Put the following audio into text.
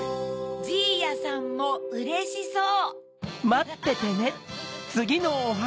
じいやさんもうれしそう！